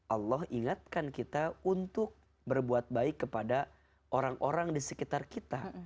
allah ingatkan kita untuk berbuat baik kepada orang orang di sekitar kita